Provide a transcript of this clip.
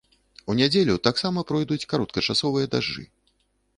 У нядзелю таксама пройдуць кароткачасовыя дажджы.